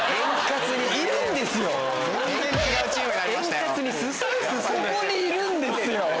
いるんですよ！